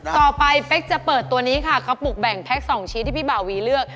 ต่อไปเป๊กจะเปิดตัวนี้ค่ะกระปุกแบ่งแพ็คสองชี้ที่พี่บ่าวีเลือก